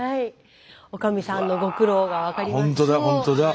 おかみさんのご苦労が分かります。